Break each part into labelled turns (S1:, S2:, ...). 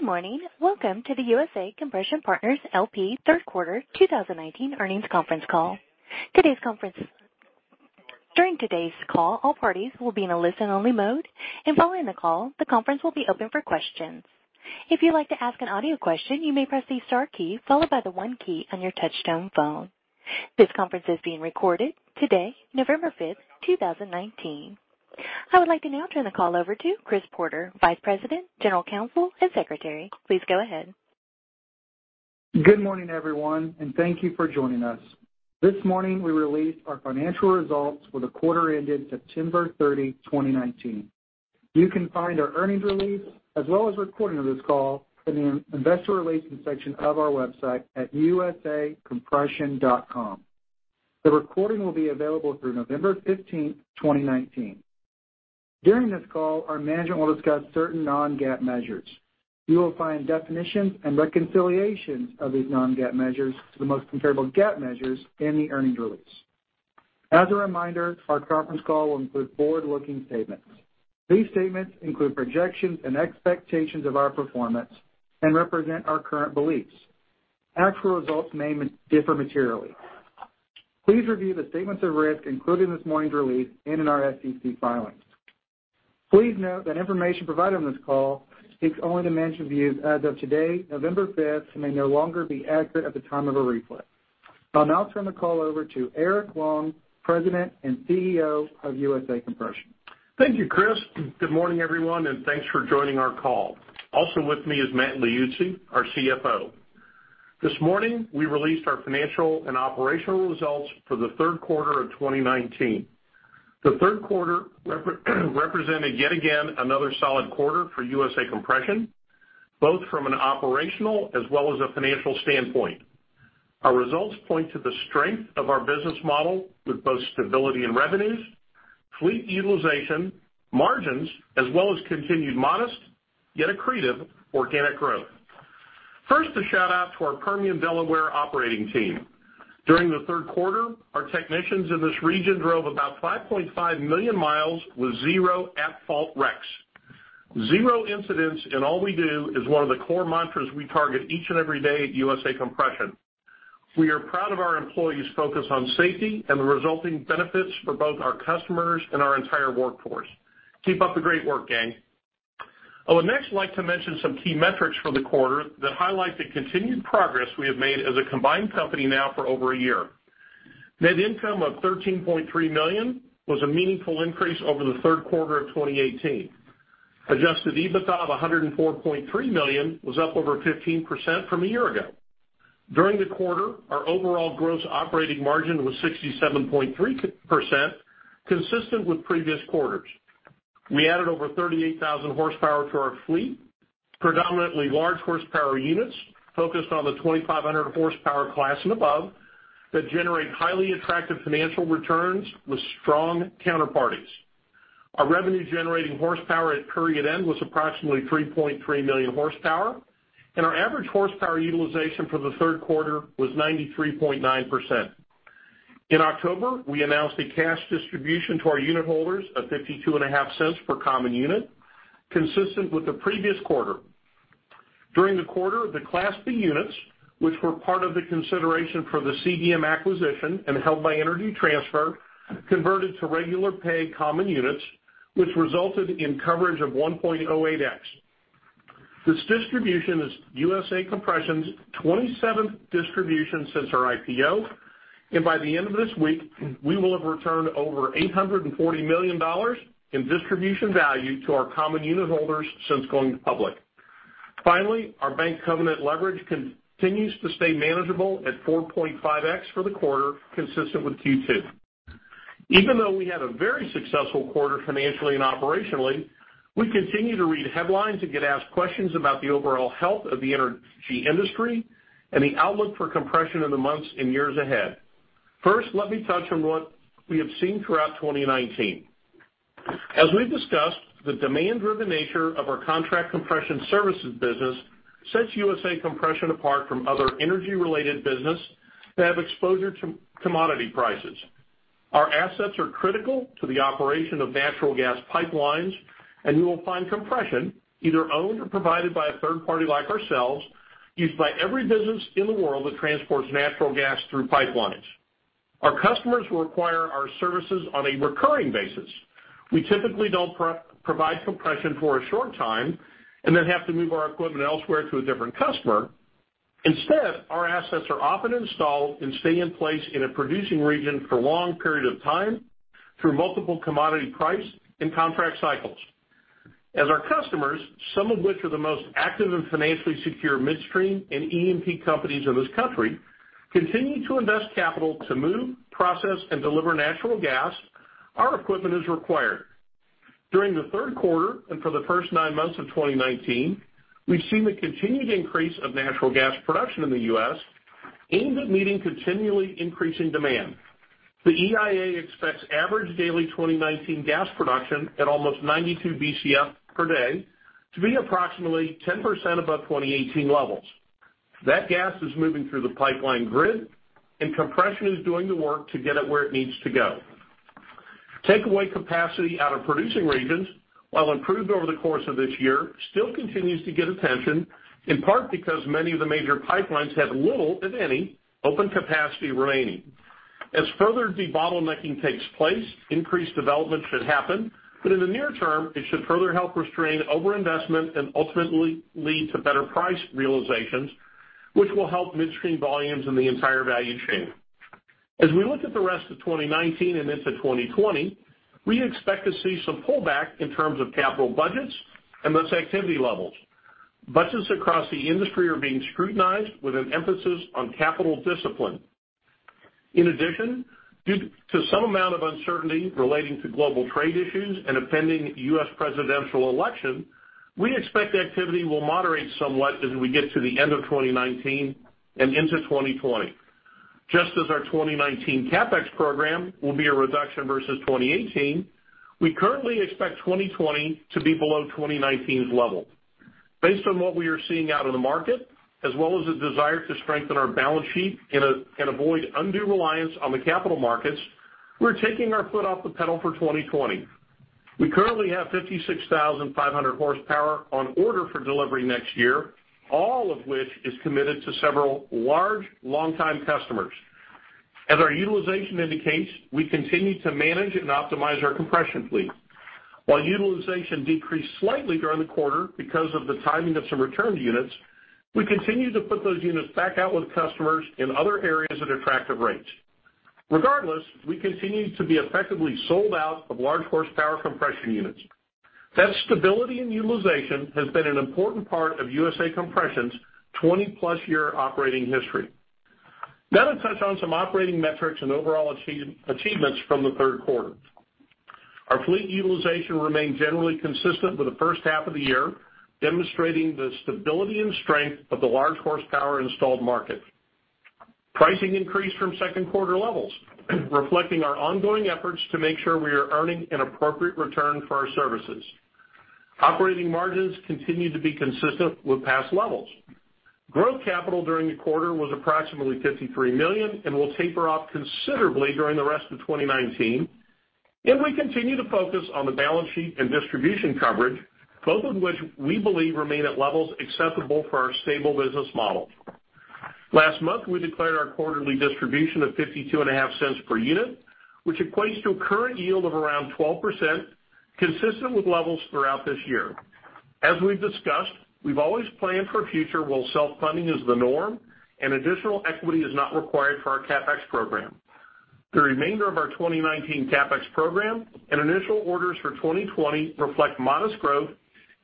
S1: Good morning. Welcome to the USA Compression Partners, LP third quarter 2019 earnings conference call. During today's call, all parties will be in a listen-only mode, and following the call, the conference will be open for questions. If you'd like to ask an audio question, you may press the star key followed by the one key on your touch-tone phone. This conference is being recorded today, November 5th, 2019. I would like to now turn the call over to Chris Porter, Vice President, General Counsel, and Secretary. Please go ahead.
S2: Good morning, everyone, and thank you for joining us. This morning, we released our financial results for the quarter ended September 30, 2019. You can find our earnings release as well as a recording of this call in the investor relations section of our website at usacompression.com. The recording will be available through November 15th, 2019. During this call, our management will discuss certain non-GAAP measures. You will find definitions and reconciliations of these non-GAAP measures to the most comparable GAAP measures in the earnings release. As a reminder, our conference call will include forward-looking statements. These statements include projections and expectations of our performance and represent our current beliefs. Actual results may differ materially. Please review the statements of risk included in this morning's release and in our SEC filings. Please note that information provided on this call speaks only to management views as of today, November 5th, and may no longer be accurate at the time of a replay. I'll now turn the call over to Eric Long, President and CEO of USA Compression.
S3: Thank you, Chris. Good morning, everyone, and thanks for joining our call. Also with me is Matt Liuzzi, our CFO. This morning, we released our financial and operational results for the third quarter of 2019. The third quarter represented yet again another solid quarter for USA Compression, both from an operational as well as a financial standpoint. Our results point to the strength of our business model with both stability in revenues, fleet utilization, margins, as well as continued modest, yet accretive, organic growth. First, a shout-out to our Permian Delaware operating team. During the third quarter, our technicians in this region drove about 5.5 million miles with zero at-fault wrecks. Zero incidents in all we do is one of the core mantras we target each and every day at USA Compression. We are proud of our employees' focus on safety and the resulting benefits for both our customers and our entire workforce. Keep up the great work, gang. I would next like to mention some key metrics for the quarter that highlight the continued progress we have made as a combined company now for over a year. Net income of $13.3 million was a meaningful increase over the third quarter of 2018. Adjusted EBITDA of $104.3 million was up over 15% from a year ago. During the quarter, our overall gross operating margin was 67.3%, consistent with previous quarters. We added over 38,000 horsepower to our fleet, predominantly large horsepower units focused on the 2,500 horsepower class and above that generate highly attractive financial returns with strong counterparties. Our revenue-generating horsepower at period end was approximately 3.3 million horsepower, and our average horsepower utilization for the third quarter was 93.9%. In October, we announced a cash distribution to our unitholders of $0.525 per common unit, consistent with the previous quarter. During the quarter, the Class B units, which were part of the consideration for the CDM acquisition and held by Energy Transfer, converted to regular paid common units, which resulted in coverage of 1.08x. This distribution is USA Compression's 27th distribution since our IPO, and by the end of this week, we will have returned over $840 million in distribution value to our common unitholders since going public. Finally, our bank covenant leverage continues to stay manageable at 4.5x for the quarter, consistent with Q2. Even though we had a very successful quarter financially and operationally, we continue to read headlines and get asked questions about the overall health of the energy industry and the outlook for compression in the months and years ahead. First, let me touch on what we have seen throughout 2019. As we've discussed, the demand-driven nature of our contract compression services business sets USA Compression apart from other energy-related business that have exposure to commodity prices. Our assets are critical to the operation of natural gas pipelines, and you will find compression, either owned or provided by a third party like ourselves, used by every business in the world that transports natural gas through pipelines. Our customers will require our services on a recurring basis. We typically don't provide compression for a short time and then have to move our equipment elsewhere to a different customer. Instead, our assets are often installed and stay in place in a producing region for long period of time through multiple commodity price and contract cycles. As our customers, some of which are the most active and financially secure midstream and E&P companies in this country, continue to invest capital to move, process, and deliver natural gas, our equipment is required. During the third quarter and for the first nine months of 2019, we've seen the continued increase of natural gas production in the U.S. aimed at meeting continually increasing demand. The EIA expects average daily 2019 gas production at almost 92 BCF per day to be approximately 10% above 2018 levels. That gas is moving through the pipeline grid, and compression is doing the work to get it where it needs to go. Takeaway capacity out of producing regions, while improved over the course of this year, still continues to get attention, in part because many of the major pipelines have little, if any, open capacity remaining. As further debottlenecking takes place, increased development should happen, but in the near term, it should further help restrain overinvestment and ultimately lead to better price realizations, which will help midstream volumes in the entire value chain. As we look at the rest of 2019 and into 2020, we expect to see some pullback in terms of capital budgets and thus activity levels. Budgets across the industry are being scrutinized with an emphasis on capital discipline. In addition, due to some amount of uncertainty relating to global trade issues and a pending U.S. presidential election, we expect activity will moderate somewhat as we get to the end of 2019 and into 2020. Just as our 2019 CapEx program will be a reduction versus 2018, we currently expect 2020 to be below 2019's level. Based on what we are seeing out in the market, as well as the desire to strengthen our balance sheet and avoid undue reliance on the capital markets, we're taking our foot off the pedal for 2020. We currently have 56,500 horsepower on order for delivery next year, all of which is committed to several large, long-time customers. As our utilization indicates, we continue to manage and optimize our compression fleet. While utilization decreased slightly during the quarter because of the timing of some returned units, we continue to put those units back out with customers in other areas at attractive rates. Regardless, we continue to be effectively sold out of large horsepower compression units. That stability in utilization has been an important part of USA Compression's 20-plus year operating history. Now to touch on some operating metrics and overall achievements from the third quarter. Our fleet utilization remained generally consistent with the first half of the year, demonstrating the stability and strength of the large horsepower installed market. Pricing increased from second quarter levels, reflecting our ongoing efforts to make sure we are earning an appropriate return for our services. Operating margins continued to be consistent with past levels. Growth capital during the quarter was approximately $53 million and will taper off considerably during the rest of 2019. We continue to focus on the balance sheet and distribution coverage, both of which we believe remain at levels acceptable for our stable business model. Last month, we declared our quarterly distribution of $0.525 per unit, which equates to a current yield of around 12%, consistent with levels throughout this year. As we've discussed, we've always planned for future while self-funding is the norm and additional equity is not required for our CapEx program. The remainder of our 2019 CapEx program and initial orders for 2020 reflect modest growth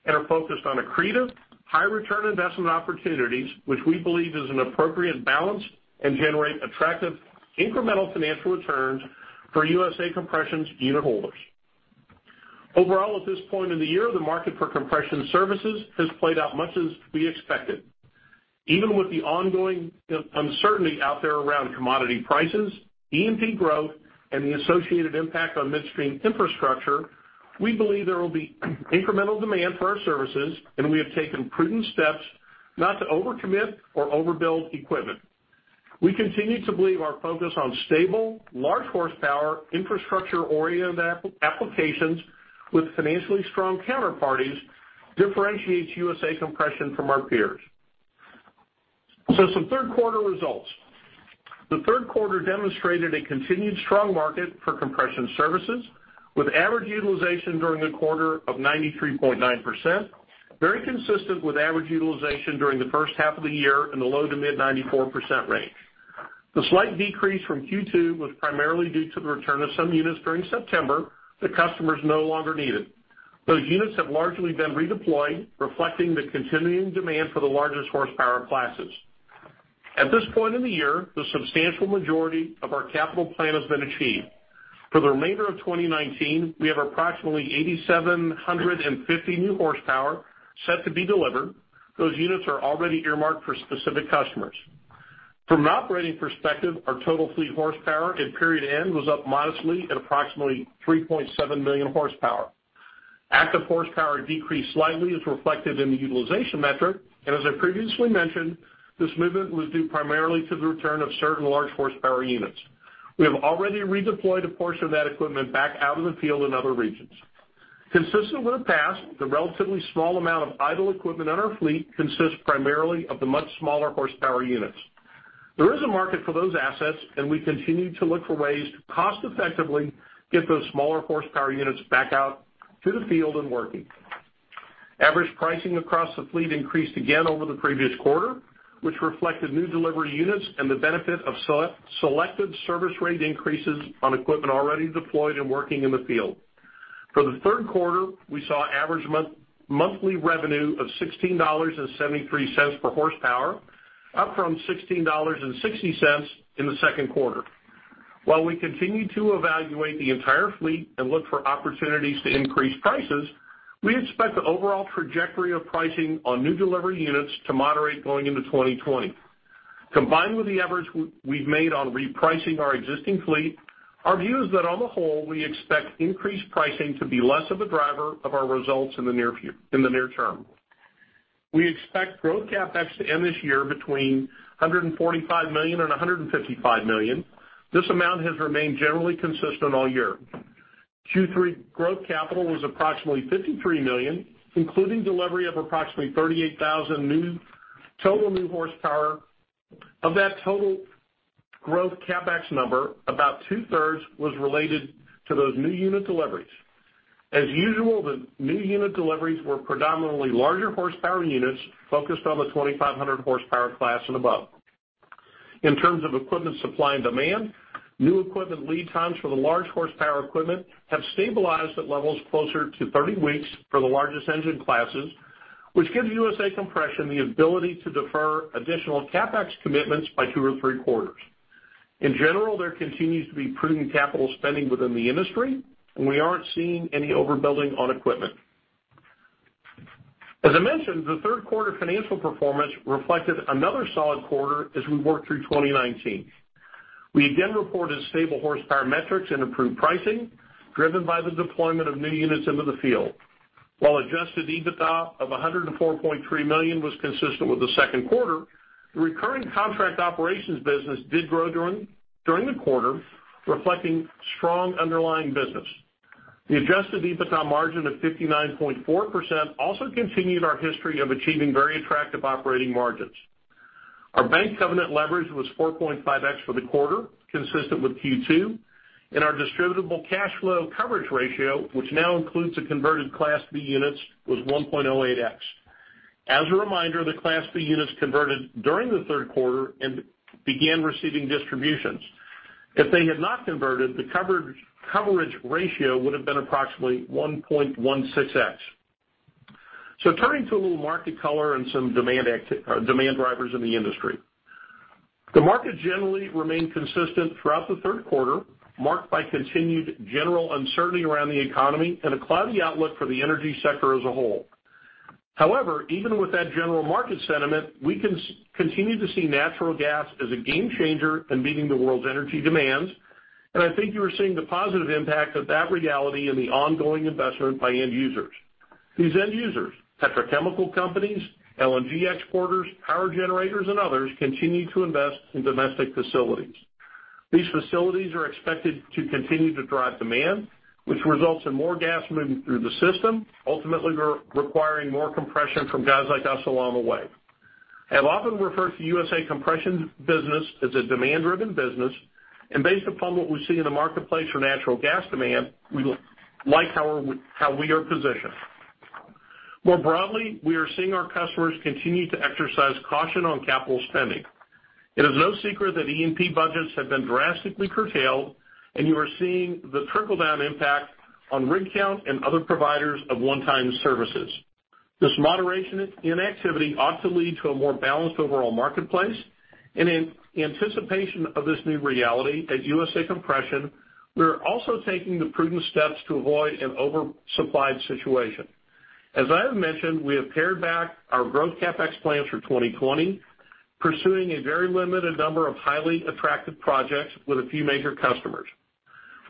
S3: and are focused on accretive, high return investment opportunities, which we believe is an appropriate balance and generate attractive incremental financial returns for USA Compression's unit holders. Overall, at this point in the year, the market for compression services has played out much as we expected. Even with the ongoing uncertainty out there around commodity prices, E&P growth, and the associated impact on midstream infrastructure, we believe there will be incremental demand for our services, and we have taken prudent steps not to overcommit or overbuild equipment. We continue to believe our focus on stable, large horsepower, infrastructure-oriented applications with financially strong counterparties differentiates USA Compression from our peers. Some third quarter results. The third quarter demonstrated a continued strong market for compression services with average utilization during the quarter of 93.9%, very consistent with average utilization during the first half of the year in the low to mid 94% range. The slight decrease from Q2 was primarily due to the return of some units during September the customers no longer needed. Those units have largely been redeployed, reflecting the continuing demand for the largest horsepower classes. At this point in the year, the substantial majority of our capital plan has been achieved. For the remainder of 2019, we have approximately 8,750 new horsepower set to be delivered. Those units are already earmarked for specific customers. From an operating perspective, our total fleet horsepower at period end was up modestly at approximately 3.7 million horsepower. Active horsepower decreased slightly, as reflected in the utilization metric. As I previously mentioned, this movement was due primarily to the return of certain large horsepower units. We have already redeployed a portion of that equipment back out in the field in other regions. Consistent with the past, the relatively small amount of idle equipment on our fleet consists primarily of the much smaller horsepower units. There is a market for those assets, and we continue to look for ways to cost effectively get those smaller horsepower units back out to the field and working. Average pricing across the fleet increased again over the previous quarter, which reflected new delivery units and the benefit of selected service rate increases on equipment already deployed and working in the field. For the third quarter, we saw average monthly revenue of $16.73 per horsepower, up from $16.60 in the second quarter. While we continue to evaluate the entire fleet and look for opportunities to increase prices, we expect the overall trajectory of pricing on new delivery units to moderate going into 2020. Combined with the efforts we've made on repricing our existing fleet, our view is that on the whole, we expect increased pricing to be less of a driver of our results in the near term. We expect growth CapEx to end this year between $145 million and $155 million. This amount has remained generally consistent all year. Q3 growth capital was approximately $53 million, including delivery of approximately 38,000 total new horsepower. Of that total growth CapEx number, about two-thirds was related to those new unit deliveries. As usual, the new unit deliveries were predominantly larger horsepower units focused on the 2,500 horsepower class and above. In terms of equipment supply and demand, new equipment lead times for the large horsepower equipment have stabilized at levels closer to 30 weeks for the largest engine classes, which gives USA Compression the ability to defer additional CapEx commitments by two or three quarters. In general, there continues to be prudent capital spending within the industry, and we aren't seeing any overbuilding on equipment. As I mentioned, the third quarter financial performance reflected another solid quarter as we worked through 2019. We again reported stable horsepower metrics and improved pricing, driven by the deployment of new units into the field. While adjusted EBITDA of $104.3 million was consistent with the second quarter, the recurring contract operations business did grow during the quarter, reflecting strong underlying business. The adjusted EBITDA margin of 59.4% also continued our history of achieving very attractive operating margins. Our bank covenant leverage was 4.5x for the quarter, consistent with Q2, and our distributable cash flow coverage ratio, which now includes the converted Class B units, was 1.08x. As a reminder, the Class B units converted during the third quarter and began receiving distributions. If they had not converted, the coverage ratio would have been approximately 1.16x. Turning to a little market color and some demand drivers in the industry. Even with that general market sentiment, we continue to see natural gas as a game changer in meeting the world's energy demands, and I think you are seeing the positive impact of that reality in the ongoing investment by end users. These end users, petrochemical companies, LNG exporters, power generators, and others, continue to invest in domestic facilities. These facilities are expected to continue to drive demand, which results in more gas moving through the system, ultimately requiring more compression from guys like us along the way. I've often referred to USA Compression business as a demand-driven business, and based upon what we see in the marketplace for natural gas demand, we like how we are positioned. More broadly, we are seeing our customers continue to exercise caution on capital spending. It is no secret that E&P budgets have been drastically curtailed, and you are seeing the trickle-down impact on rig count and other providers of one-time services. This moderation in activity ought to lead to a more balanced overall marketplace, and in anticipation of this new reality, at USA Compression, we are also taking the prudent steps to avoid an oversupplied situation. As I have mentioned, we have pared back our growth CapEx plans for 2020, pursuing a very limited number of highly attractive projects with a few major customers.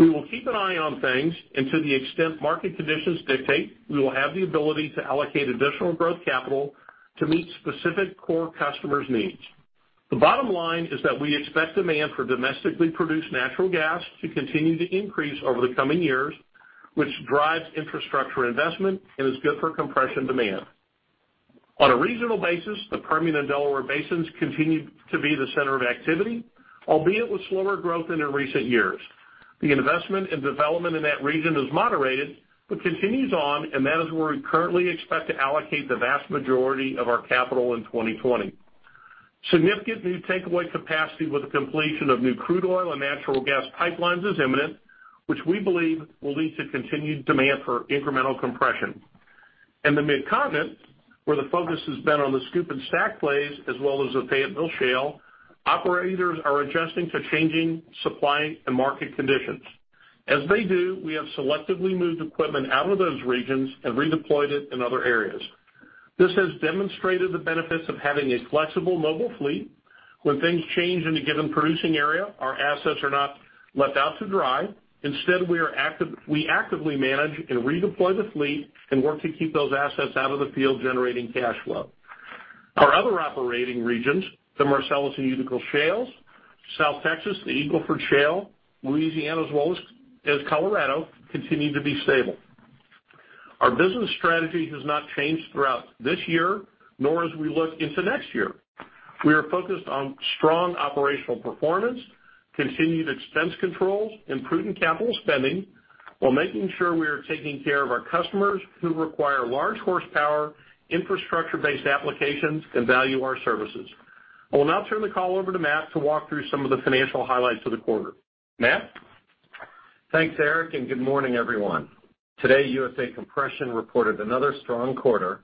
S3: We will keep an eye on things, and to the extent market conditions dictate, we will have the ability to allocate additional growth capital to meet specific core customers' needs. The bottom line is that we expect demand for domestically produced natural gas to continue to increase over the coming years, which drives infrastructure investment and is good for compression demand. On a regional basis, the Permian and Delaware basins continue to be the center of activity, albeit with slower growth than in recent years. The investment in development in that region has moderated but continues on, and that is where we currently expect to allocate the vast majority of our capital in 2020. Significant new takeaway capacity with the completion of new crude oil and natural gas pipelines is imminent, which we believe will lead to continued demand for incremental compression. In the Mid-Continent, where the focus has been on the SCOOP and STACK plays, as well as the Fayetteville Shale, operators are adjusting to changing supply and market conditions. As they do, we have selectively moved equipment out of those regions and redeployed it in other areas. This has demonstrated the benefits of having a flexible mobile fleet. When things change in a given producing area, our assets are not left out to dry. Instead, we actively manage and redeploy the fleet and work to keep those assets out of the field, generating cash flow. Our other operating regions, the Marcellus and Utica Shales, South Texas, the Eagle Ford Shale, Louisiana, as well as Colorado, continue to be stable. Our business strategy has not changed throughout this year, nor as we look into next year. We are focused on strong operational performance, continued expense controls, and prudent capital spending while making sure we are taking care of our customers who require large horsepower, infrastructure-based applications, and value our services. I will now turn the call over to Matt to walk through some of the financial highlights of the quarter. Matt?
S4: Thanks, Eric, and good morning, everyone. Today, USA Compression reported another strong quarter,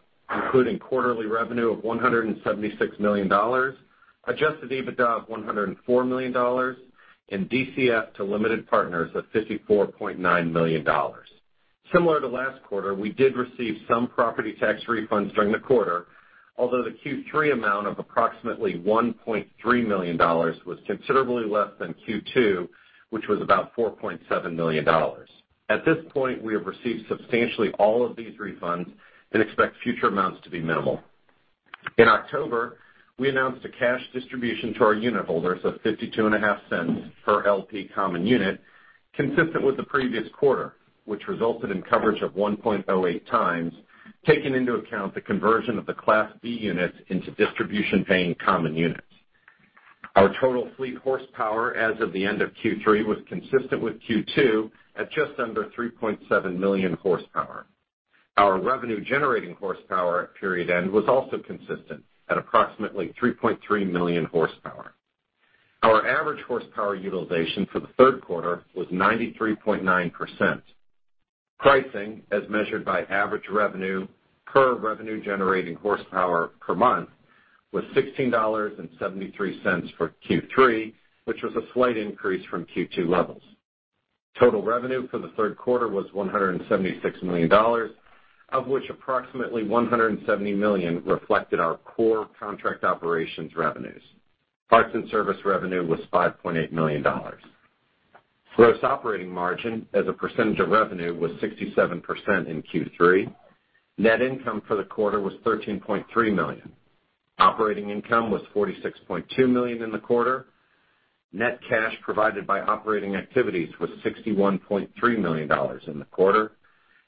S4: including quarterly revenue of $176 million, adjusted EBITDA of $104 million, and DCF to limited partners of $54.9 million. Similar to last quarter, we did receive some property tax refunds during the quarter, although the Q3 amount of approximately $1.3 million was considerably less than Q2, which was about $4.7 million. At this point, we have received substantially all of these refunds and expect future amounts to be minimal. In October, we announced a cash distribution to our unit holders of $0.525 per LP common unit, consistent with the previous quarter, which resulted in coverage of 1.08 times, taking into account the conversion of the Class B units into distribution-paying common units. Our total fleet horsepower as of the end of Q3 was consistent with Q2, at just under 3.7 million horsepower. Our revenue-generating horsepower at period end was also consistent at approximately 3.3 million horsepower. Our average horsepower utilization for the third quarter was 93.9%. Pricing, as measured by average revenue per revenue-generating horsepower per month, was $16.73 for Q3, which was a slight increase from Q2 levels. Total revenue for the third quarter was $176 million, of which approximately $170 million reflected our core contract operations revenues. Parts and service revenue was $5.8 million. Gross operating margin as a percentage of revenue was 67% in Q3. Net income for the quarter was $13.3 million. Operating income was $46.2 million in the quarter. Net cash provided by operating activities was $61.3 million in the quarter.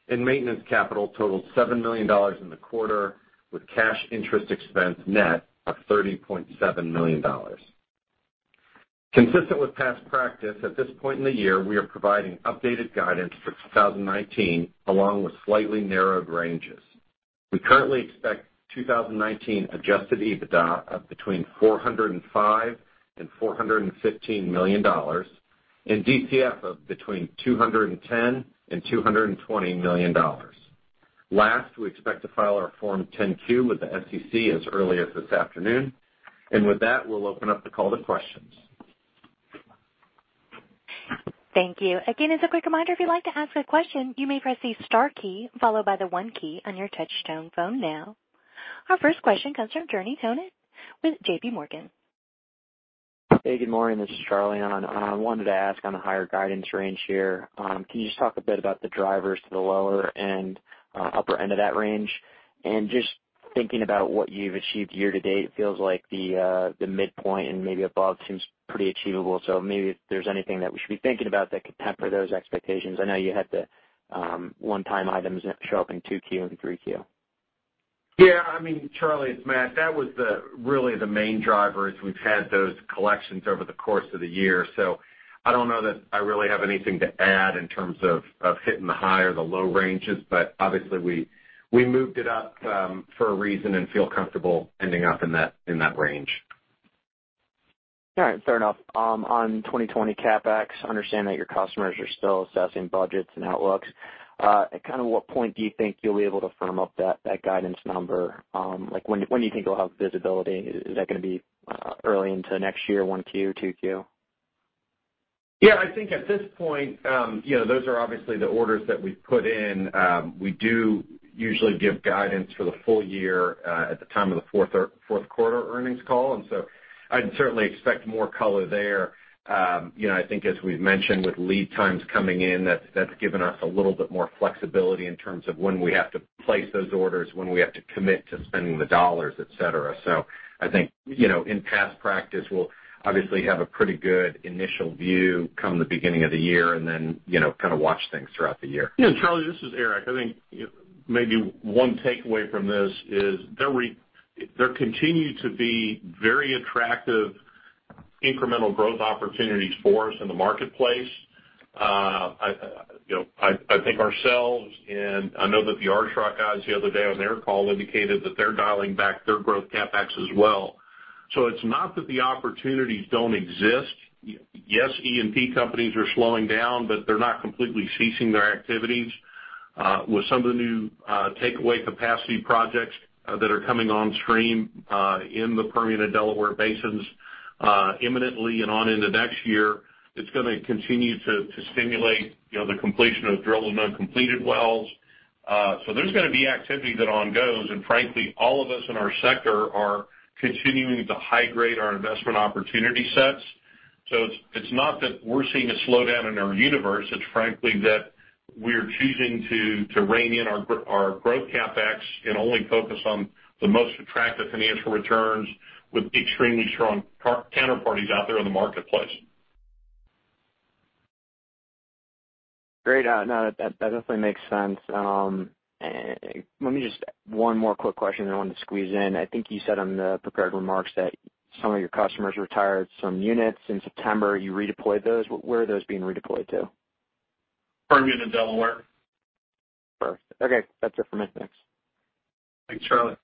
S4: Maintenance capital totaled $7 million in the quarter, with cash interest expense net of $30.7 million. Consistent with past practice, at this point in the year, we are providing updated guidance for 2019, along with slightly narrowed ranges. We currently expect 2019 adjusted EBITDA of between $405 million and $415 million, and DCF of between $210 million and $220 million. Last, we expect to file our Form 10-Q with the SEC as early as this afternoon. With that, we'll open up the call to questions.
S1: Thank you. Again, as a quick reminder, if you'd like to ask a question, you may press the star key followed by the one key on your touchtone phone now. Our first question comes from Jeremy Tonet with JPMorgan.
S5: Hey, good morning. This is Jeremy. I wanted to ask on the higher guidance range here. Can you just talk a bit about the drivers to the lower and upper end of that range? Just thinking about what you've achieved year-to-date, it feels like the midpoint and maybe above seems pretty achievable. Maybe if there's anything that we should be thinking about that could temper those expectations. I know you had the one-time items show up in Q2 and Q3.
S4: Yeah. Jeremy Tonet, it's Matt. That was really the main driver, is we've had those collections over the course of the year. I don't know that I really have anything to add in terms of hitting the high or the low ranges. Obviously, we moved it up for a reason and feel comfortable ending up in that range.
S5: All right. Fair enough. On 2020 CapEx, I understand that your customers are still assessing budgets and outlooks. At what point do you think you'll be able to firm up that guidance number? When do you think you'll have visibility? Is that going to be early into next year, Q1, Q2?
S4: Yeah, I think at this point, those are obviously the orders that we've put in. We do usually give guidance for the full year at the time of the fourth quarter earnings call. I'd certainly expect more color there. I think as we've mentioned with lead times coming in, that's given us a little bit more flexibility in terms of when we have to place those orders, when we have to commit to spending the dollars, et cetera. I think, in past practice, we'll obviously have a pretty good initial view come the beginning of the year and then kind of watch things throughout the year.
S3: Yeah, Jeremy, this is Eric. I think maybe one takeaway from this is there continue to be very attractive incremental growth opportunities for us in the marketplace. I think ourselves, and I know that the ArchRock guys the other day on their call indicated that they're dialing back their growth CapEx as well. It's not that the opportunities don't exist. Yes, E&P companies are slowing down, but they're not completely ceasing their activities. With some of the new takeaway capacity projects that are coming on stream in the Permian and Delaware basins imminently and on into next year, it's going to continue to stimulate the completion of drilling uncompleted wells. There's going to be activity that on goes, and frankly, all of us in our sector are continuing to high-grade our investment opportunity sets. It's not that we're seeing a slowdown in our universe. It's frankly that we're choosing to rein in our growth CapEx and only focus on the most attractive financial returns with extremely strong counterparties out there in the marketplace.
S5: Great. No, that definitely makes sense. Let me one more quick question I wanted to squeeze in. I think you said on the prepared remarks that some of your customers retired some units in September. You redeployed those. Where are those being redeployed to?
S3: Permian and Delaware.
S5: Perfect. Okay. That's it for me. Thanks.
S3: Thanks, Jeremy.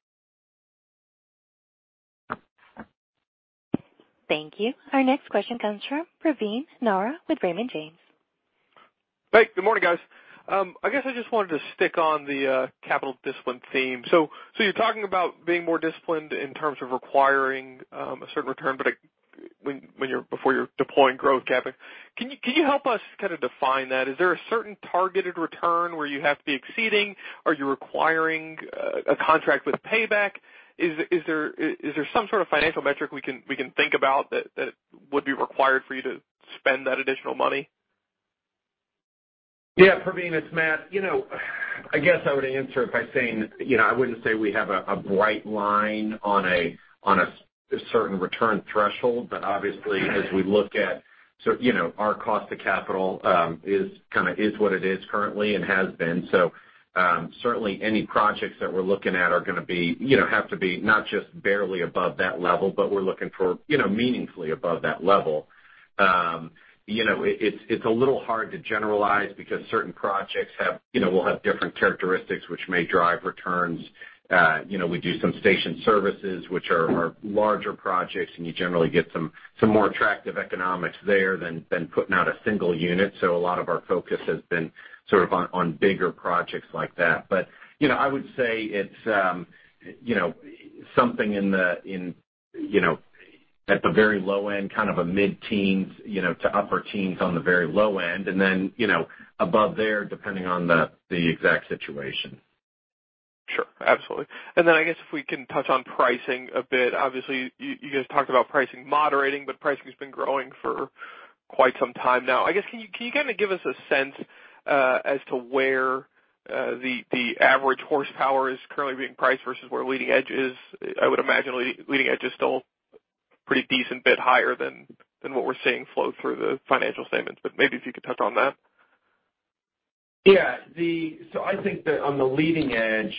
S1: Thank you. Our next question comes from Praveen Narra with Raymond James.
S6: Hey, good morning, guys. I guess I just wanted to stick on the capital discipline theme. You're talking about being more disciplined in terms of requiring a certain return before you're deploying growth capital. Can you help us kind of define that? Is there a certain targeted return where you have to be exceeding? Are you requiring a contract with payback? Is there some sort of financial metric we can think about that would be required for you to spend that additional money?
S4: Yeah, Praveen, it's Matt. I guess I would answer it by saying, I wouldn't say we have a bright line on a certain return threshold, but obviously, so, our cost to capital is what it is currently and has been. Certainly any projects that we're looking at have to be not just barely above that level, but we're looking for meaningfully above that level. It's a little hard to generalize because certain projects will have different characteristics which may drive returns. We do some station services, which are larger projects, and you generally get some more attractive economics there than putting out a single unit. A lot of our focus has been sort of on bigger projects like that. I would say it's something at the very low end, kind of a mid-teens, to upper teens on the very low end. Above there, depending on the exact situation.
S6: Sure, absolutely. I guess if we can touch on pricing a bit. Obviously, you guys talked about pricing moderating, but pricing's been growing for quite some time now. I guess, can you give us a sense as to where the average horsepower is currently being priced versus where leading edge is? I would imagine leading edge is still a pretty decent bit higher than what we're seeing flow through the financial statements, but maybe if you could touch on that.
S4: Yeah. I think that on the leading edge,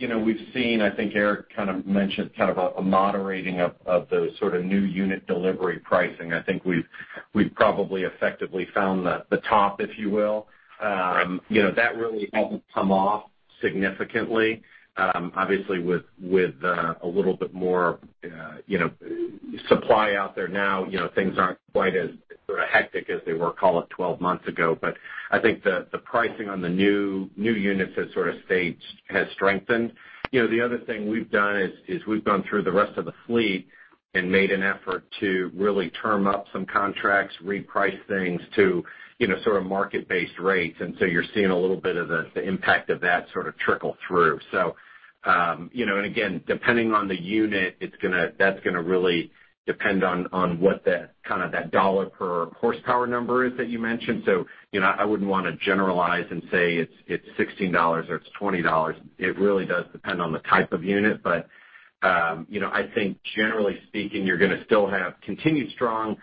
S4: we've seen, I think Eric kind of mentioned a moderating of the sort of new unit delivery pricing. I think we've probably effectively found the top, if you will. That really hasn't come off significantly. Obviously, with a little bit more supply out there now, things aren't quite as sort of hectic as they were, call it 12 months ago. I think the pricing on the new units has strengthened. The other thing we've done is we've gone through the rest of the fleet and made an effort to really term up some contracts, reprice things to sort of market-based rates. You're seeing a little bit of the impact of that sort of trickle through. Again, depending on the unit, that's gonna really depend on what that kind of, that dollar per horsepower number is that you mentioned. I wouldn't want to generalize and say it's $16 or it's $20. It really does depend on the type of unit. I think generally speaking, you're gonna still have continued strong,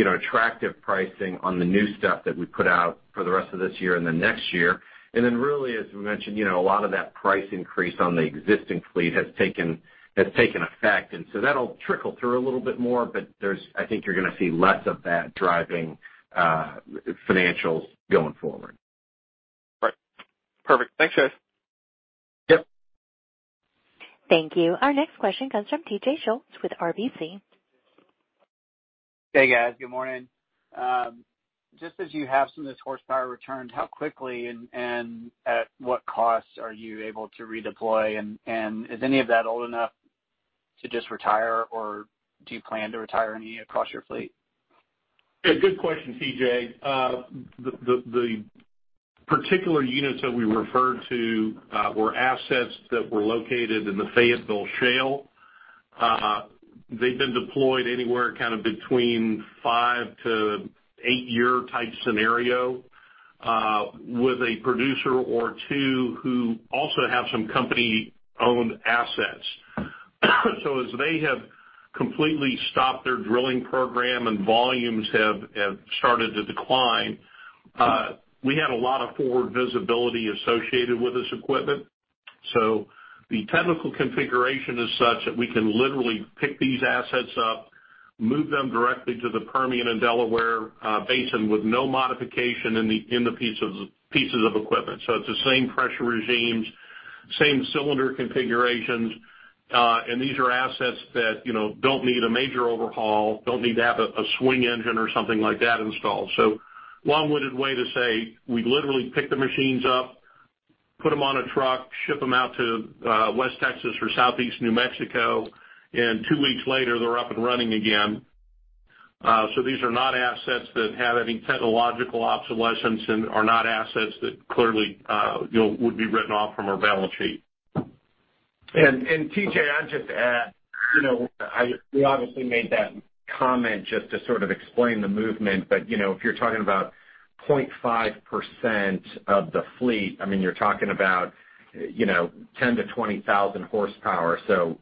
S4: attractive pricing on the new stuff that we put out for the rest of this year and then next year. Really, as we mentioned, a lot of that price increase on the existing fleet has taken effect, that'll trickle through a little bit more, I think you're gonna see less of that driving financials going forward.
S6: Right. Perfect. Thanks, guys.
S4: Yep.
S1: Thank you. Our next question comes from T.J. Schultz with RBC.
S7: Hey, guys. Good morning. Just as you have some of this horsepower returned, how quickly and at what cost are you able to redeploy, and is any of that old enough to just retire, or do you plan to retire any across your fleet?
S3: Yeah, good question, T.J. The particular units that we referred to were assets that were located in the Fayetteville Shale. They've been deployed anywhere kind of between 5 to 8 year type scenario, with a producer or two who also have some company-owned assets. As they have completely stopped their drilling program and volumes have started to decline, we had a lot of forward visibility associated with this equipment. The technical configuration is such that we can literally pick these assets up, move them directly to the Permian and Delaware Basin with no modification in the pieces of equipment. It's the same pressure regimes, same cylinder configurations. These are assets that don't need a major overhaul, don't need to have a swing engine or something like that installed. Long-winded way to say we literally pick the machines up, put them on a truck, ship them out to West Texas or Southeast New Mexico, and two weeks later, they're up and running again. These are not assets that have any technological obsolescence and are not assets that clearly would be written off from our balance sheet.
S4: T.J., I'd just add, we obviously made that comment just to sort of explain the movement, but if you're talking about 0.5% of the fleet, I mean, you're talking about 10 to 20,000 horsepower, so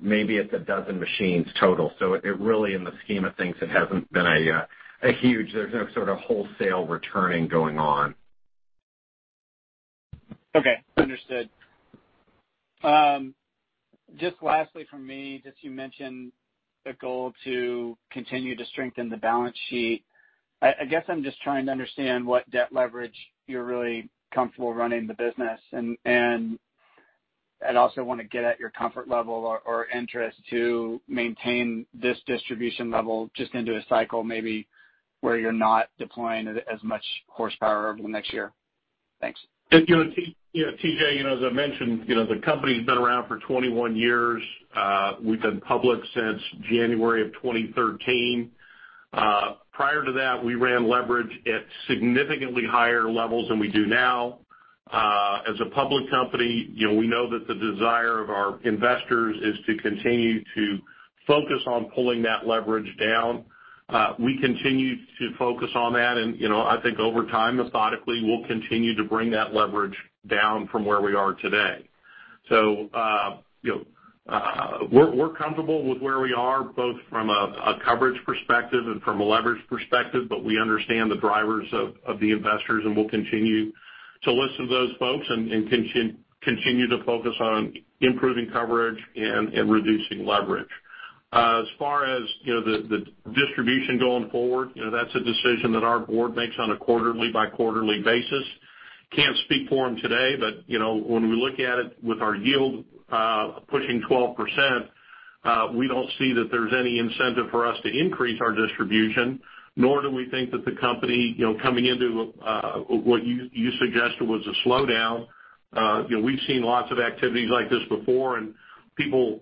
S4: maybe it's a dozen machines total. It really, in the scheme of things, it hasn't been. There's no sort of wholesale returning going on.
S7: Okay. Understood. Just lastly from me, just you mentioned the goal to continue to strengthen the balance sheet. I guess I'm just trying to understand what debt leverage you're really comfortable running the business and I'd also want to get at your comfort level or interest to maintain this distribution level just into a cycle, maybe, where you're not deploying as much horsepower over the next year. Thanks.
S3: T.J., as I mentioned, the company's been around for 21 years. We've been public since January of 2013. Prior to that, we ran leverage at significantly higher levels than we do now. As a public company, we know that the desire of our investors is to continue to focus on pulling that leverage down. We continue to focus on that, and I think over time, methodically, we'll continue to bring that leverage down from where we are today. We're comfortable with where we are, both from a coverage perspective and from a leverage perspective, but we understand the drivers of the investors, and we'll continue to listen to those folks and continue to focus on improving coverage and reducing leverage. As far as the distribution going forward, that's a decision that our board makes on a quarterly-by-quarterly basis. Can't speak for them today, but when we look at it with our yield pushing 12%, we don't see that there's any incentive for us to increase our distribution, nor do we think that the company, coming into what you suggested was a slowdown. We've seen lots of activities like this before, and people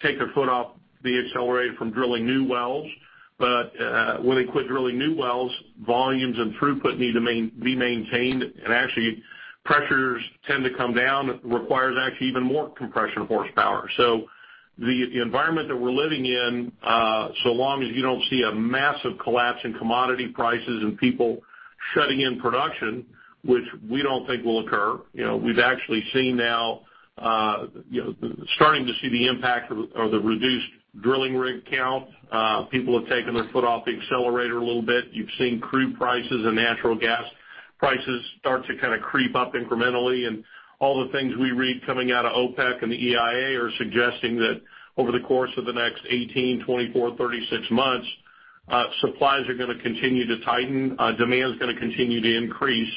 S3: take their foot off the accelerator from drilling new wells. When they quit drilling new wells, volumes and throughput need to be maintained. Actually, pressures tend to come down, requires actually even more compression horsepower. The environment that we're living in, so long as you don't see a massive collapse in commodity prices and people shutting in production, which we don't think will occur. We've actually starting to see the impact of the reduced drilling rig count. People have taken their foot off the accelerator a little bit. You've seen crude prices and natural gas prices start to kind of creep up incrementally. All the things we read coming out of OPEC and the EIA are suggesting that over the course of the next 18, 24, 36 months, supplies are going to continue to tighten. Demand is going to continue to increase.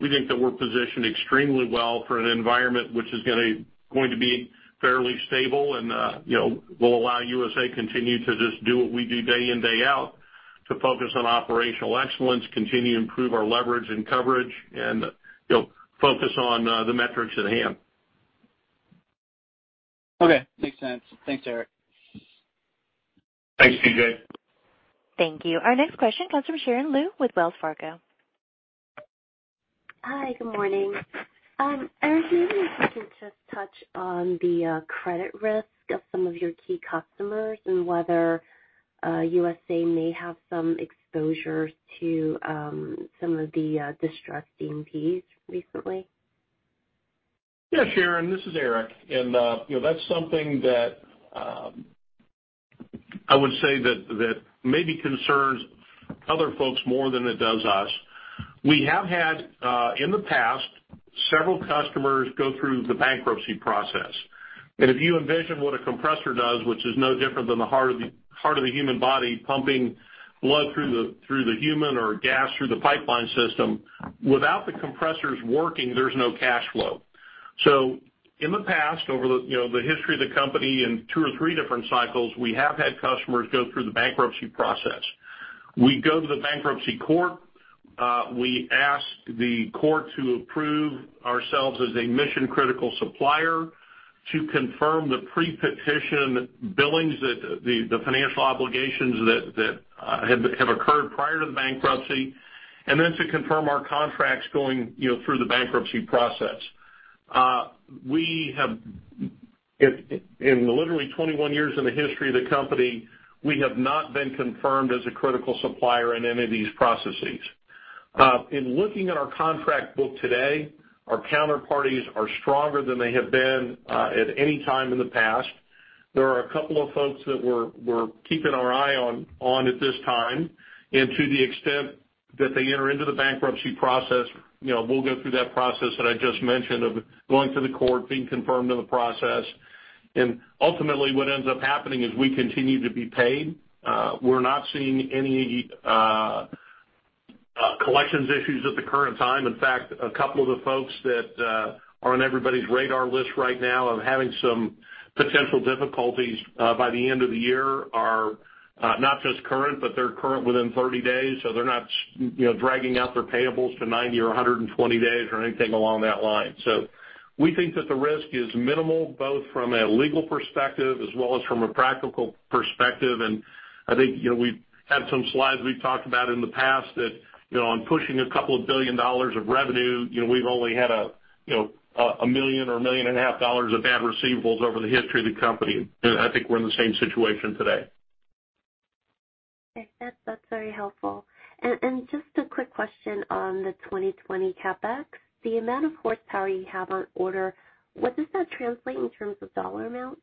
S3: We think that we're positioned extremely well for an environment which is going to be fairly stable and will allow USA continue to just do what we do day in, day out. To focus on operational excellence, continue to improve our leverage and coverage, and focus on the metrics at hand.
S7: Okay. Makes sense. Thanks, Eric.
S3: Thanks, T.J.
S1: Thank you. Our next question comes from Sharon Lu with Wells Fargo.
S8: Hi, good morning. Eric, maybe if you could just touch on the credit risk of some of your key customers and whether USA may have some exposure to some of the distressed E&Ps recently.
S3: Yeah, Sharon, this is Eric. That's something that I would say that maybe concerns other folks more than it does us. We have had, in the past, several customers go through the bankruptcy process. If you envision what a compressor does, which is no different than the heart of the human body pumping blood through the human or gas through the pipeline system. Without the compressors working, there's no cash flow. In the past, over the history of the company, in two or three different cycles, we have had customers go through the bankruptcy process. We go to the bankruptcy court. We ask the court to approve ourselves as a mission-critical supplier to confirm the pre-petition billings that the financial obligations that have occurred prior to the bankruptcy, and then to confirm our contracts going through the bankruptcy process. In literally 21 years in the history of the company, we have not been confirmed as a critical supplier in any of these processes. In looking at our contract book today, our counterparties are stronger than they have been at any time in the past. There are a couple of folks that we're keeping our eye on at this time, and to the extent that they enter into the bankruptcy process, we'll go through that process that I just mentioned of going to the court, being confirmed in the process. Ultimately, what ends up happening is we continue to be paid. We're not seeing any collections issues at the current time. In fact, a couple of the folks that are on everybody's radar list right now of having some potential difficulties by the end of the year are not just current, but they're current within 30 days, they're not dragging out their payables to 90 or 120 days or anything along that line. We think that the risk is minimal, both from a legal perspective as well as from a practical perspective. I think we've had some slides we've talked about in the past that on pushing a couple of billion dollars of revenue, we've only had a million or a million and a half dollars of bad receivables over the history of the company. I think we're in the same situation today.
S8: Okay. That's very helpful. Just a quick question on the 2020 CapEx. The amount of horsepower you have on order, what does that translate in terms of dollar amount?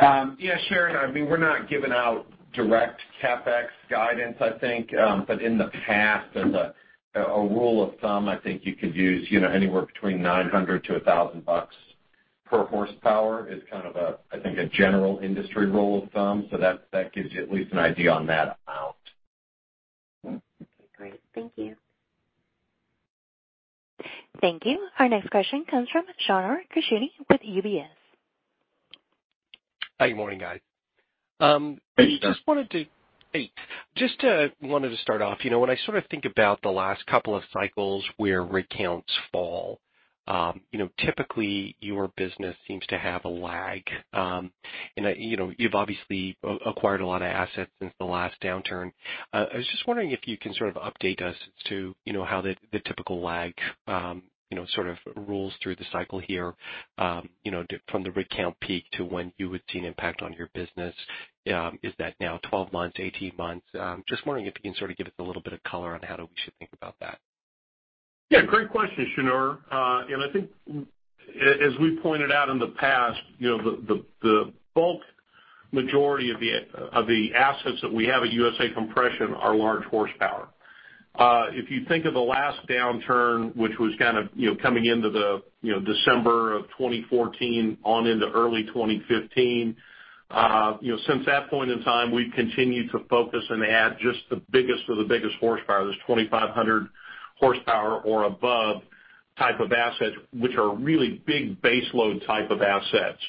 S3: Yeah, Sharon, we're not giving out direct CapEx guidance, I think. In the past, as a rule of thumb, I think you could use anywhere between $900-$1,000 per horsepower is kind of, I think, a general industry rule of thumb. That gives you at least an idea on that amount.
S8: Okay, great. Thank you.
S1: Thank you. Our next question comes from Shneur Gershuni with UBS.
S9: Hi. Good morning, guys.
S3: Hey.
S9: Just wanted to start off. When I think about the last couple of cycles where rig counts fall, typically your business seems to have a lag. You've obviously acquired a lot of assets since the last downturn. I was just wondering if you can sort of update us as to how the typical lag sort of rolls through the cycle here from the rig count peak to when you would see an impact on your business. Is that now 12 months, 18 months? Just wondering if you can sort of give us a little bit of color on how we should think about that.
S3: Yeah, great question, Shneur. I think as we pointed out in the past, the bulk majority of the assets that we have at USA Compression are large horsepower. If you think of the last downturn, which was kind of coming into the December of 2014 on into early 2015. Since that point in time, we've continued to focus and add just the biggest of the biggest horsepower, this 2,500 horsepower or above type of assets, which are really big base load type of assets.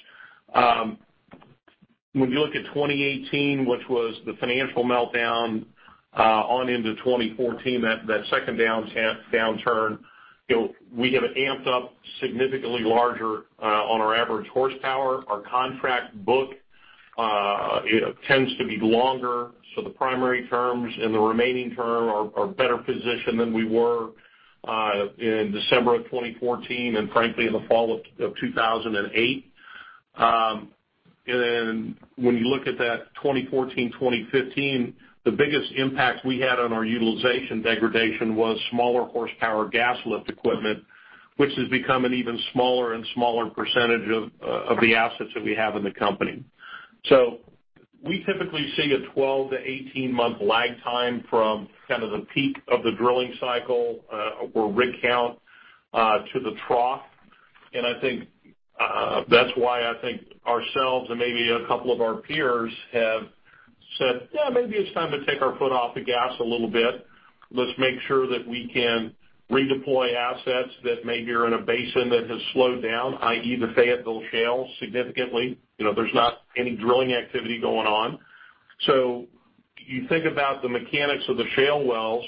S3: When you look at 2018, which was the financial meltdown on into 2014, that second downturn, we have amped up significantly larger on our average horsepower. Our contract book tends to be longer. The primary terms and the remaining term are better positioned than we were in December of 2014, and frankly, in the fall of 2008. When you look at that 2014, 2015, the biggest impact we had on our utilization degradation was smaller horsepower gas lift equipment, which has become an even smaller and smaller percentage of the assets that we have in the company. We typically see a 12- to 18-month lag time from kind of the peak of the drilling cycle or rig count to the trough. I think that's why I think ourselves and maybe a couple of our peers have said, "Yeah, maybe it's time to take our foot off the gas a little bit. Let's make sure that we can redeploy assets that maybe are in a basin that has slowed down," i.e., the Fayetteville Shale significantly. There's not any drilling activity going on. You think about the mechanics of the shale wells.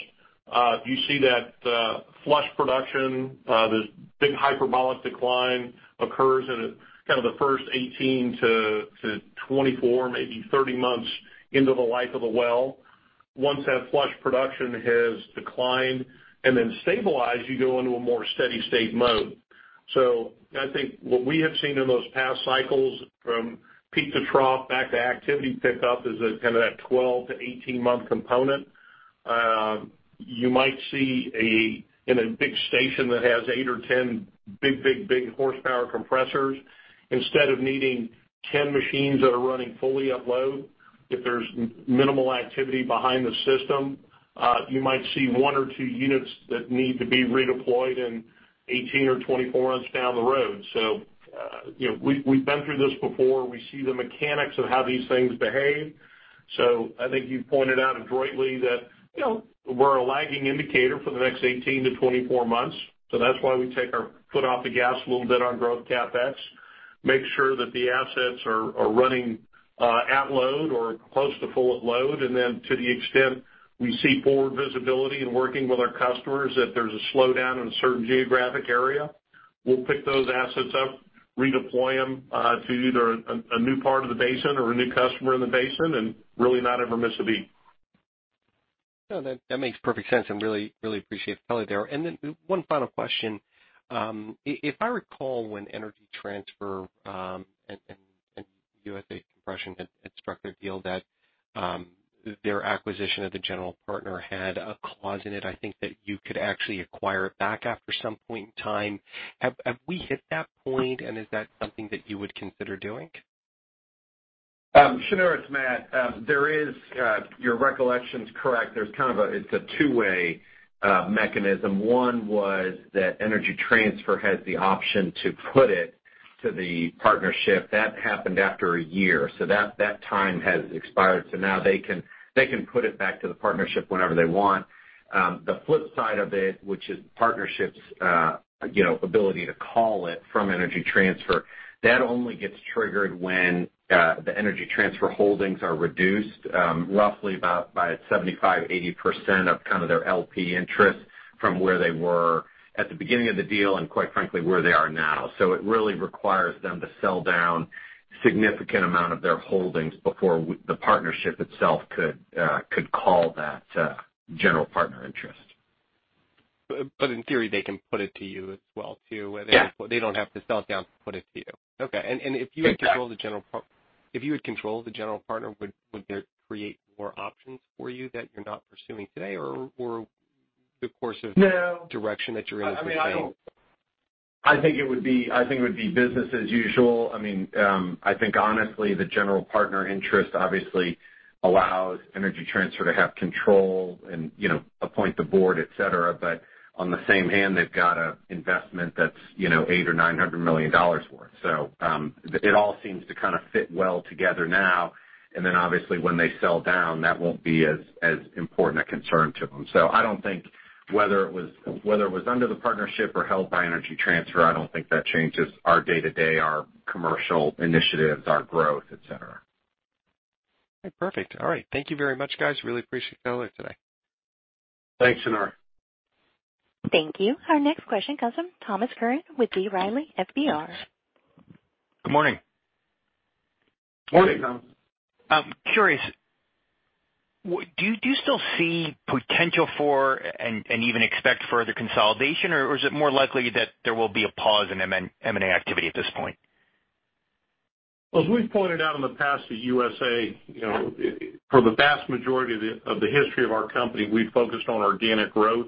S3: You see that flush production, this big hyperbolic decline occurs in kind of the first 18 to 24, maybe 30 months into the life of the well. Once that flush production has declined and then stabilized, you go into a more steady state mode. I think what we have seen in those past cycles from peak to trough back to activity pickup is kind of that 12 to 18-month component. You might see in a big station that has 8 or 10 big horsepower compressors. Instead of needing 10 machines that are running fully at load, if there's minimal activity behind the system, you might see 1 or 2 units that need to be redeployed in 18 or 24 months down the road. We've been through this before. We see the mechanics of how these things behave. I think you pointed out adroitly that we're a lagging indicator for the next 18 to 24 months, so that's why we take our foot off the gas a little bit on growth CapEx, make sure that the assets are running at load or close to full at load, and then to the extent we see forward visibility in working with our customers, if there's a slowdown in a certain geographic area, we'll pick those assets up, redeploy them to either a new part of the basin or a new customer in the basin, and really not ever miss a beat.
S9: No, that makes perfect sense, really appreciate the color there. One final question. If I recall when Energy Transfer and USA Compression had struck their deal that their acquisition of the general partner had a clause in it, I think that you could actually acquire it back after some point in time. Have we hit that point, and is that something that you would consider doing?
S4: Shneur, it's Matt. Your recollection's correct. It's a two-way mechanism. One was that Energy Transfer has the option to put it to the partnership. That happened after a year, so that time has expired. Now they can put it back to the partnership whenever they want. The flip side of it, which is partnership's ability to call it from Energy Transfer. That only gets triggered when the Energy Transfer holdings are reduced roughly by 75%, 80% of kind of their LP interest from where they were at the beginning of the deal and, quite frankly, where they are now. It really requires them to sell down significant amount of their holdings before the partnership itself could call that general partner interest.
S9: In theory, they can put it to you as well, too.
S3: Yeah.
S9: They don't have to sell it down to put it to you. Okay.
S3: Exactly.
S9: If you had control of the general partner, would there create more options for you that you're not pursuing today or the course of.
S3: No
S9: direction that you're in right now?
S3: I think it would be business as usual. I think honestly, the general partner interest obviously allows Energy Transfer to have control and appoint the board, et cetera. On the same hand, they've got an investment that's $800 million or $900 million worth. It all seems to kind of fit well together now. Obviously when they sell down, that won't be as important a concern to them. I don't think whether it was under the partnership or held by Energy Transfer, I don't think that changes our day-to-day, our commercial initiatives, our growth, et cetera.
S9: Okay, perfect. All right. Thank you very much, guys. Really appreciate the call here today.
S3: Thanks, Shneur.
S1: Thank you. Our next question comes from Thomas Curran with B. Riley FBR.
S10: Good morning.
S3: Morning, Tom.
S10: I'm curious, do you still see potential for, and even expect further consolidation? Or is it more likely that there will be a pause in M&A activity at this point?
S3: As we've pointed out in the past at USA, for the vast majority of the history of our company, we've focused on organic growth.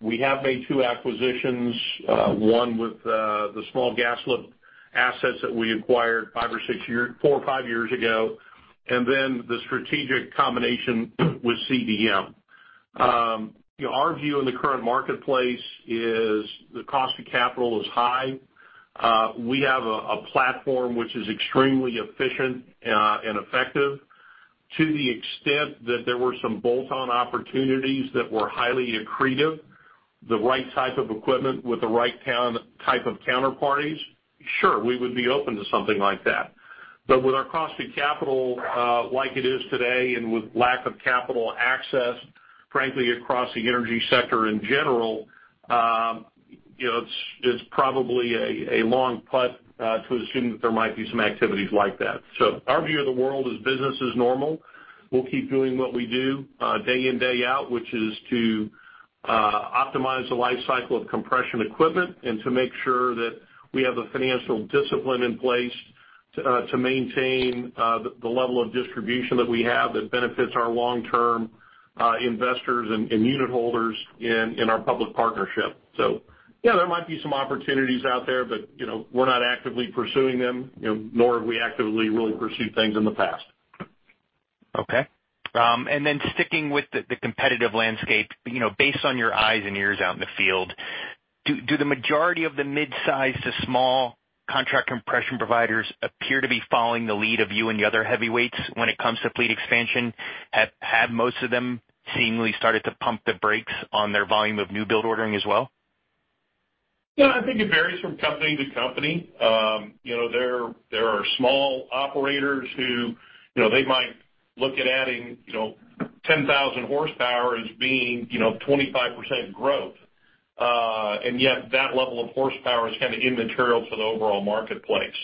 S3: We have made two acquisitions, one with the small gas lift assets that we acquired four or five years ago, and then the strategic combination with CDM. Our view in the current marketplace is the cost of capital is high. We have a platform which is extremely efficient and effective. To the extent that there were some bolt-on opportunities that were highly accretive, the right type of equipment with the right type of counterparties, sure, we would be open to something like that. With our cost of capital like it is today and with lack of capital access, frankly, across the energy sector in general, it's probably a long putt to assume that there might be some activities like that. Our view of the world is business as normal. We'll keep doing what we do day in, day out, which is to optimize the life cycle of compression equipment and to make sure that we have the financial discipline in place to maintain the level of distribution that we have that benefits our long-term investors and unitholders in our public partnership. Yeah, there might be some opportunities out there, but we're not actively pursuing them, nor have we actively really pursued things in the past.
S10: Okay. Sticking with the competitive landscape, based on your eyes and ears out in the field, do the majority of the mid-size to small contract compression providers appear to be following the lead of you and the other heavyweights when it comes to fleet expansion? Have most of them seemingly started to pump the brakes on their volume of new build ordering as well?
S3: Yeah, I think it varies from company to company. There are small operators who they might look at adding 10,000 horsepower as being 25% growth. Yet that level of horsepower is kind of immaterial to the overall marketplace.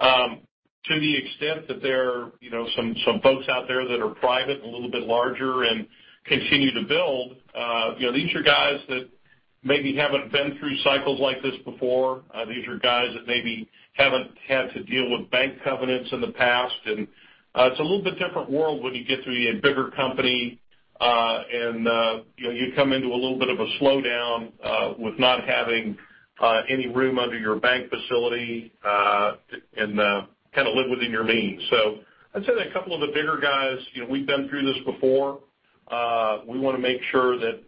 S3: To the extent that there are some folks out there that are private and a little bit larger and continue to build, these are guys that maybe haven't been through cycles like this before. These are guys that maybe haven't had to deal with bank covenants in the past. It's a little bit different world when you get to be a bigger company and you come into a little bit of a slowdown with not having any room under your bank facility and kind of live within your means. I'd say that a couple of the bigger guys, we've been through this before. We want to make sure that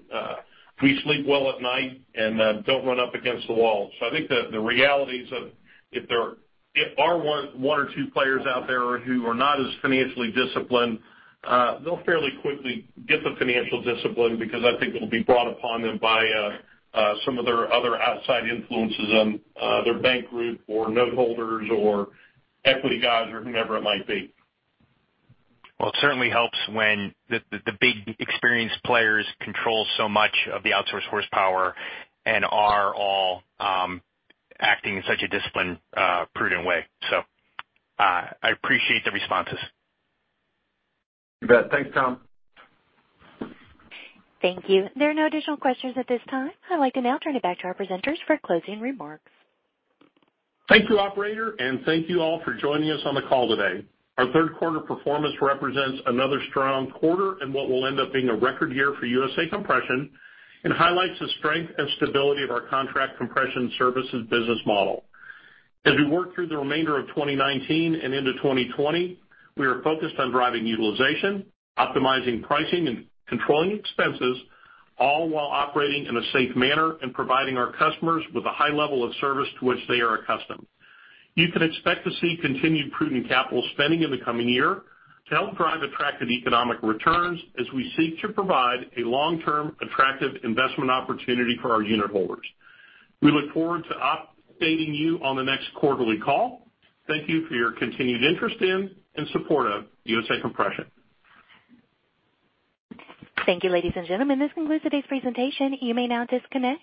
S3: we sleep well at night and don't run up against the wall. I think the realities of if there are one or two players out there who are not as financially disciplined, they'll fairly quickly get the financial discipline because I think it'll be brought upon them by some of their other outside influences on their bank group or note holders or equity guys or whomever it might be.
S10: Well, it certainly helps when the big experienced players control so much of the outsourced horsepower and are all acting in such a disciplined, prudent way. I appreciate the responses.
S3: You bet. Thanks, Tom.
S1: Thank you. There are no additional questions at this time. I'd like to now turn it back to our presenters for closing remarks.
S3: Thank you, operator, and thank you all for joining us on the call today. Our third quarter performance represents another strong quarter in what will end up being a record year for USA Compression and highlights the strength and stability of our contract compression services business model. As we work through the remainder of 2019 and into 2020, we are focused on driving utilization, optimizing pricing, and controlling expenses, all while operating in a safe manner and providing our customers with a high level of service to which they are accustomed. You can expect to see continued prudent capital spending in the coming year to help drive attractive economic returns as we seek to provide a long-term attractive investment opportunity for our unitholders. We look forward to updating you on the next quarterly call. Thank you for your continued interest in and support of USA Compression.
S1: Thank you, ladies and gentlemen. This concludes today's presentation. You may now disconnect.